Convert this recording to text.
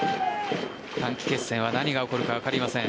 短期決戦は何が起こるか分かりません。